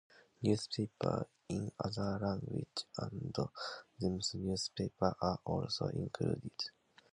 Newspapers in other languages and themes newspapers are also included.